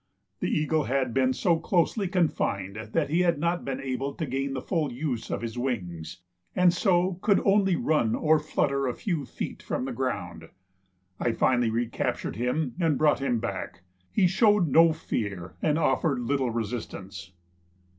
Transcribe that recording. The eagle had been so closely confined that he had not been able to gain the full use of his wings, and so could only run or flutter a few feet from the ground. I finally recaptured him and brought him back. He showed no fear and offered little resistance.